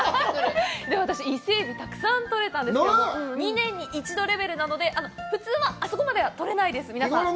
私、伊勢海老がたくさんとれたんですけども、２年に一度レベルなので、普通はあそこまではとれないです、皆さん。